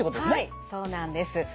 はいそうなんです。